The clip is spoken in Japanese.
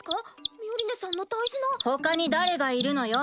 ミオリネさんの大事なほかに誰がいるのよ。